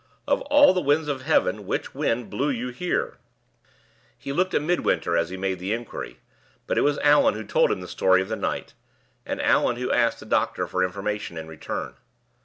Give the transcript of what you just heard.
"Of all the winds of heaven, which wind blew you here?" He looked at Midwinter as he made the inquiry, but it was Allan who told him the story of the night, and Allan who asked the doctor for information in return.